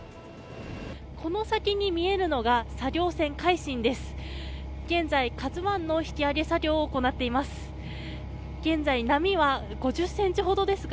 この先に見えるのが作業船、海進です。